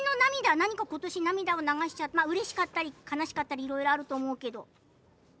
何かことし涙を流したことうれしかったり悲しかったりしたことがあったと思うけど。